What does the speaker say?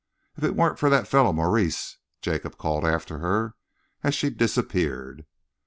"If it weren't for that fellow Maurice!" Jacob called after her, as she disappeared.